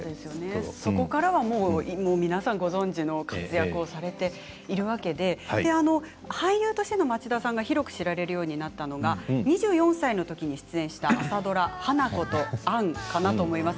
そこからはもう皆さんご存じのご活躍をされているわけで俳優としての町田さんが広く知られるようになったのが２４歳のときに出演した朝ドラ「花子とアン」かなと思います。